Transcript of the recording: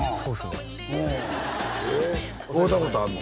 うん会うたことあんの？